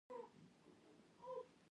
د غزل او قصیدې تر پایه پورې تکراریږي.